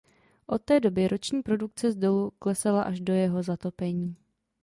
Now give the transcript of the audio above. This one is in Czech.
Od té doby roční produkce z dolu klesala až do jeho zatopení.